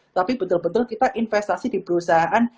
tapi betul betul kita investasi di perusahaan